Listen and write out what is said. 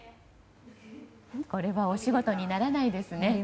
これはお仕事にならないですね。